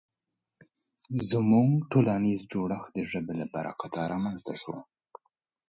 زموږ ټولنیز جوړښت د ژبې له برکته رامنځ ته شو.